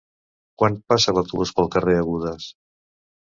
Quan passa l'autobús pel carrer Agudes?